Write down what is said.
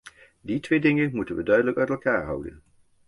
Die twee dingen moeten we duidelijk uit elkaar houden.